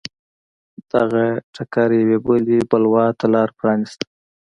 دغه ټکر یوې بلې بلوا ته لار پرانېسته.